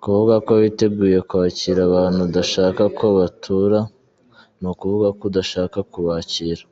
Kuvuga ko witeguye kwakira abantu udashaka ko batura, ni ukuvuga ko udashaka kubakira.